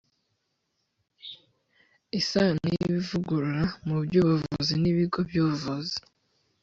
isano y'ivugurura mu by'ubuzima n'ibigo by'ubuvuzi